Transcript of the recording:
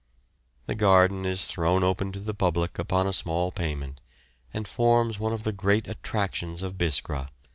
The garden is thrown open to the public upon a small payment, and forms one of the great attractions of Biskra.